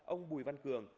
ông bùi văn cường